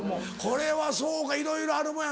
これはそうかいろいろあるもんや。